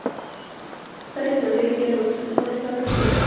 Sarah es divorciada y tiene dos hijos jóvenes, Amber y Drew.